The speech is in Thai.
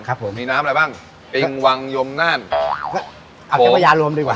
ครับผมมีน้ำอะไรบ้างปิงวังยมน่านอ๋อเอาเจ้าพญารวมดีกว่า